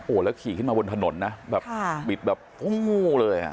โอ้แล้วขี่ขึ้นมาบนถนนนะบิดแบบโฮ้เลยอะ